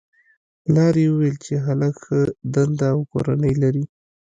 پلار یې ویل چې هلک ښه دنده او کورنۍ لري